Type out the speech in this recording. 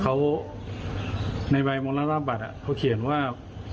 เขาในใบมรณบัตรเขาเขียนว่า